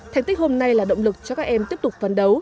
thành tích hôm nay là động lực cho các em tiếp tục phấn đấu